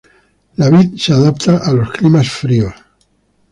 La vid se adapta a los climas fríos.